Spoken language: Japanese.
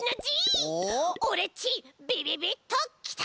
オレっちビビビッときた！